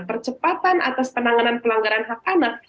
percepatan atas penanganan pelanggaran hak anak